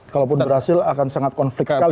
kalaupun berhasil akan sangat konflik sekali